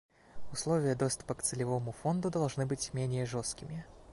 Условия доступа к Целевому фонду должны быть менее жесткими.